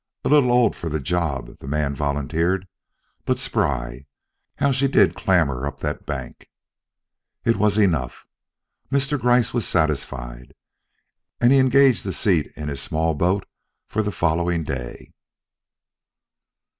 "A little old for the job," the man volunteered, "but spry. How she did clamber up that bank!" It was enough; Mr. Gryce was satisfied, and engaged a seat in his small boat for the following day.